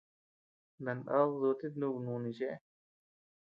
Nanad dutit nuku nuni chëe.